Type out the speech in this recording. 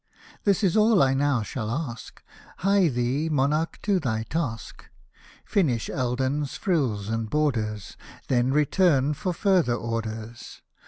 This is all I now shall ask, Hie thee, monarch, to thy task ; Finish Eld — n's frills and borders, Then return for further orders.